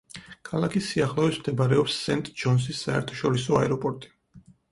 ქალაქის სიახლოვეს მდებარეობს სენტ-ჯონზის საერთაშორისო აეროპორტი.